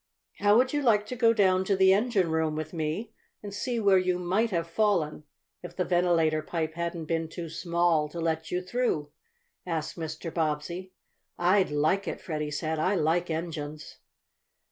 "How would you like to go down to the engine room with me, and see where you might have fallen if the ventilator pipe hadn't been too small to let you through?" asked Mr. Bobbsey. "I'd like it," Freddie said. "I like engines."